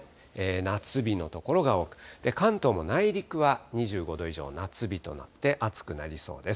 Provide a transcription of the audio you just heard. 夏日の所が多く、関東も内陸は２５度以上、夏日となって暑くなりそうです。